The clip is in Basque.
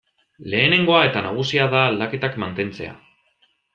Lehenengoa eta nagusia da aldaketak mantentzea.